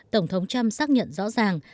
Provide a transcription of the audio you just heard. tổng thống trump xác nhận rõ ràng